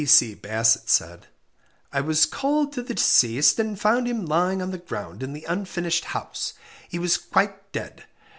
P.C. Bassett said I was called to the deceased, and found him lying on the ground in the unfinished house. He was quite dead.